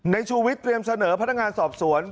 ชูวิทยเตรียมเสนอพนักงานสอบสวน